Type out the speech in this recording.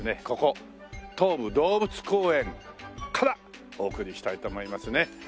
ここ東武動物公園からお送りしたいと思いますね。